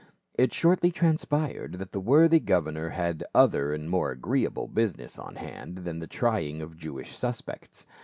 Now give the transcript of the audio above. * It shortly transpired that the worthy governor had other and more agreeable business on hand than the trying of Jewish suspects.